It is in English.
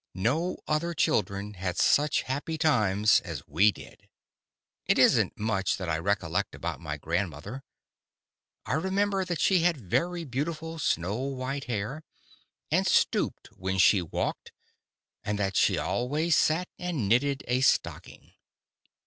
No other children had such happy times as we did. It isn't much that I recollect about my grandmother. I remember that she had very beautiful snow white hair, and stooped when she walked, and that she always sat and knitted a stocking.